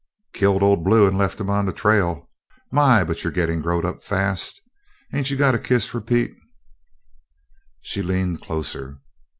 "Killed Old Blue and left him on the trail. My, but you're gittin' growed up fast. Ain't you got a kiss for Pete?" She leaned closer.